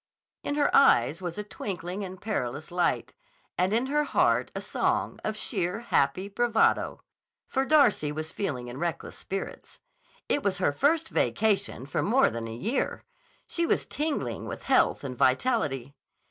In her eyes was a twinkling and perilous light, and in her heart a song of sheer, happy bravado. For Darcy was feeling in reckless spirits. It was her first vacation for more than a year. She was tingling with health and vitality.